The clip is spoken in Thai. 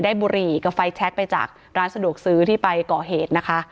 บุหรี่กับไฟแชคไปจากร้านสะดวกซื้อที่ไปก่อเหตุนะคะ